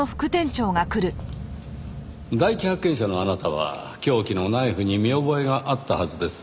第一発見者のあなたは凶器のナイフに見覚えがあったはずです。